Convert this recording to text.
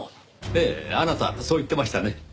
ええあなたそう言ってましたね。